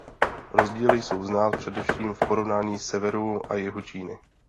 Rozdíly jsou znát především v porovnání severu a jihu Číny.